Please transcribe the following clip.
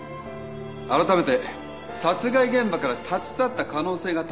あらためて殺害現場から立ち去った可能性が高い